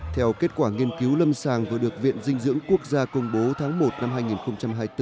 theo kết quả nghiên cứu lâm sàng vừa được viện dinh dưỡng quốc gia công bố tháng một năm hai nghìn hai mươi bốn